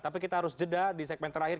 tapi kita harus jeda di segmen terakhir